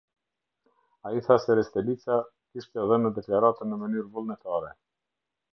Ai tha se Restelica kishte dhënë deklaratën në mënyrë vullnetare.